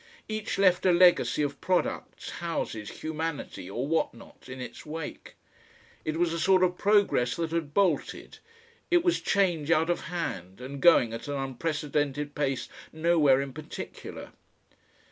Each left a legacy of products, houses, humanity, or what not, in its wake. It was a sort of progress that had bolted; it was change out of hand, and going at an unprecedented pace nowhere in particular.